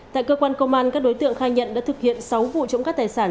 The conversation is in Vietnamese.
tại cơ quan công an các đối tượng khai nhận đã thực hiện sáu vụ trộm cắp tài sản